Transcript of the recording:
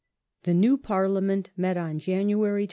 The new Parliament met on January 12th, 1886.